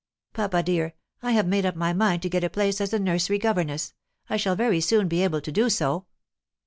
"Papa dear, I have made up my mind to get a place as a nursery governess. I shall very soon be able to do so."